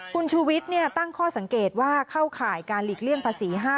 คุณชูวิทย์ตั้งข้อสังเกตว่าเข้าข่ายการหลีกเลี่ยงภาษี๕๐